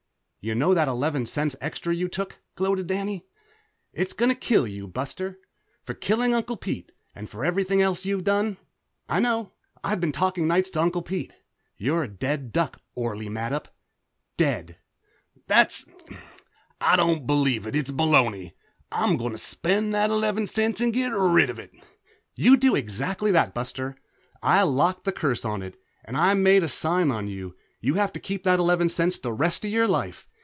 "You know that eleven cents extra you took?" gloated Danny. "It's gonna kill you, Buster, for killing Uncle Pete, and for everything else you've done. I know. I've been talking nights to Uncle Pete. You're a dead duck, Orley Mattup! Dead!" "That's I don't believe it, it's baloney! I'm going to spend that eleven cents and get rid of it." "You do exactly that, Buster. I locked the curse on it, and I made the sign on you, and you have to keep that eleven cents the rest of your life.